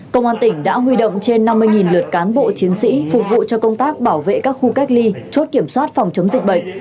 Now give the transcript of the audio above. công an tỉnh đã huy động trên năm mươi lượt cán bộ chiến sĩ phục vụ cho công tác bảo vệ các khu cách ly chốt kiểm soát phòng chống dịch bệnh